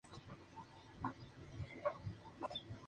Tour, que incluía elaboradas escenografías y vestuarios.